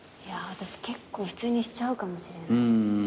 私結構普通にしちゃうかもしれない。